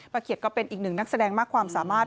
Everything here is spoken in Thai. เขียดก็เป็นอีกหนึ่งนักแสดงมากความสามารถ